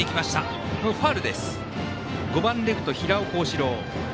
５番レフト、平尾幸志郎。